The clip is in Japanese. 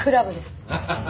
ハハハハハ。